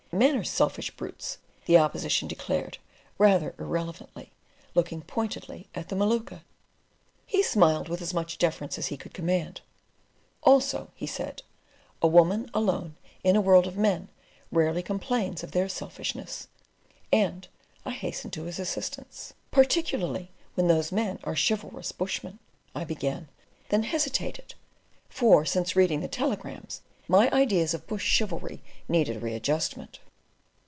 "Men are selfish brutes," the opposition declared, rather irrelevantly, looking pointedly at the Maluka. He smiled with as much deference as he could command. "Also," he said, "a woman alone in a world of men rarely complains of their selfishness"; and I hastened to his assistance. "Particularly when those men are chivalrous bushmen," I began, then hesitated, for, since reading the telegrams, my ideas of bush chivalry needed readjustment.